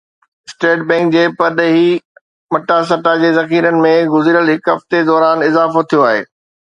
state bank جي پرڏيهي مٽاسٽا جي ذخيرن ۾ گذريل هڪ هفتي دوران اضافو ٿيو آهي